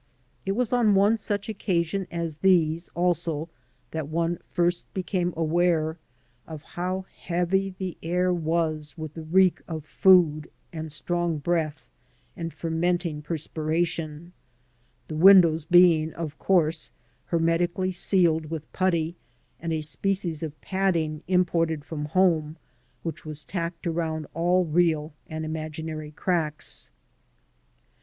It was on such occasions as these also that one first became aware of how heavy the air was with the reek of food and strong breath and fermenting perspiration, the windows being, of course, hermetically sealed with putty and a species of padding imported from home which was tacked around aU real and imaginary cracks.